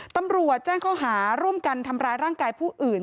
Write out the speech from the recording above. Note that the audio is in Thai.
ตำรวจแจ้งข้อหาร่วมกันทำร้ายร่างกายผู้อื่น